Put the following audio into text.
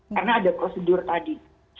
karena ada prosedur tadi